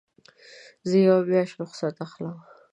زه یوه میاشت رخصت اخلم.